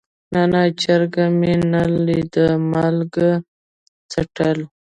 نه نه چرګ مې نه ليده مالګه څټل.